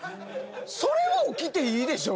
それは起きていいでしょう